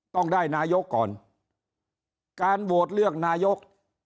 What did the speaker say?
ต้องได้นายกก่อนการโหวตเลือกนายก